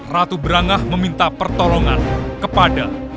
ratu berangah meminta pertolongan kepada